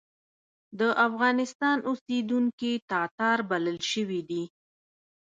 د افغانستان اوسېدونکي تاتار بلل شوي دي.